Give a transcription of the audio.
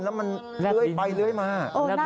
แล้วมันเรื่อยมา